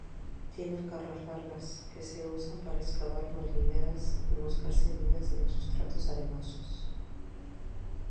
Tienen garras largas, que usan para excavar madrigueras y buscar semillas en sustratos arenosos.